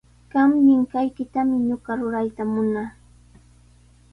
Qam ninqaykitami ñuqa rurayta munaa.